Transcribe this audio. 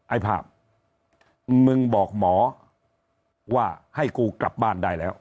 ไอ้ภาพมึงบอกหมอว่าให้กูกลับบ้านได้แล้ว